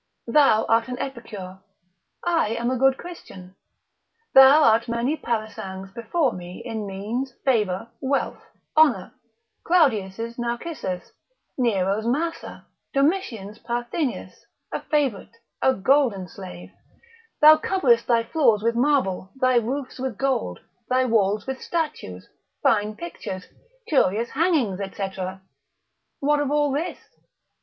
Thou art an epicure, I am a good Christian; thou art many parasangs before me in means, favour, wealth, honour, Claudius's Narcissus, Nero's Massa, Domitian's Parthenius, a favourite, a golden slave; thou coverest thy floors with marble, thy roofs with gold, thy walls with statues, fine pictures, curious hangings, &c., what of all this?